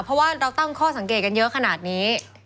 เพราะว่าเราตั้งข้อสังเกตกันเยอะขนาดนี้